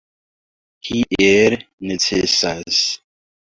Tiel necesas.